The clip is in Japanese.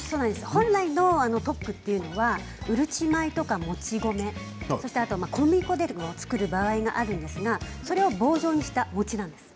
本来のトックはうるち米やもち米そして小麦粉などで作ることが多いんですがそれを棒状にしたお餅なんですね。